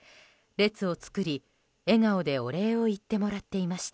列を作り、笑顔でお礼を言ってもらっていました。